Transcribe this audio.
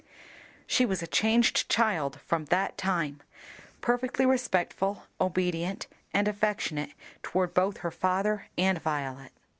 She was a changed child from that time, perfectly respectful, obedient, and affectionate toward both her father and Violet.